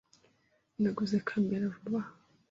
Naguze kamera vuba aha .